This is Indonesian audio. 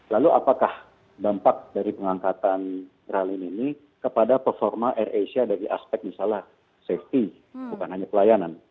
lalu apakah dampak dari pengangkatan ralin ini kepada performa air asia dari aspek misalnya safety bukan hanya pelayanan